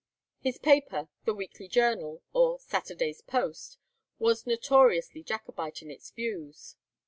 His paper, the 'Weekly Journal' or 'Saturday's Post,' was notoriously Jacobite in its views.